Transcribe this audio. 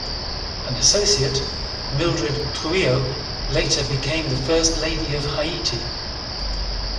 An associate, Mildred Trouillot, later became the first lady of Haiti.